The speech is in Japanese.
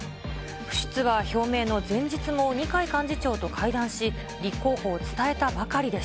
不出馬表明の前日も二階幹事長と会談し、立候補を伝えたばかりで